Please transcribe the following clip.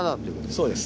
そうです。